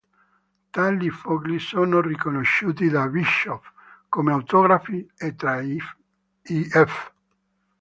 Tali fogli sono riconosciuti da Bischoff come autografi e tra i ff.